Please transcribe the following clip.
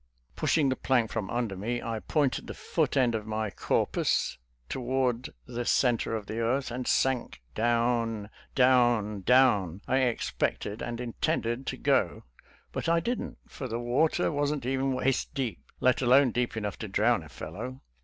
Pushing the plank from under me, I pointed the foot end of my corpus toward the center of the earth, and sank. Down, down, down, I expected and intended to go, but I didn't, for the water wasn't even waist deep, let alone deep enough to drown a fellow.